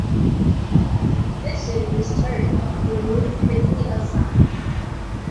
This in its turn he moved quickly aside.